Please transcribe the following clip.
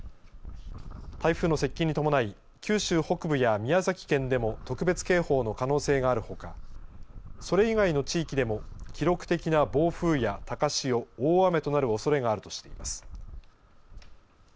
台風の接近に伴い九州北部や宮崎県でも特別警報の可能性があるほかそれ以外の地域でも記録的な暴風や高潮大雨となるおそれがあるとしています。